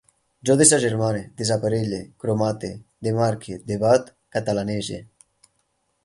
Jo desagermane, desaparelle, cromate, demarque, debat, catalanege